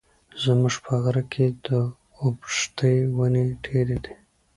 زموږ په غره کي د اوبښتي وني ډېري دي.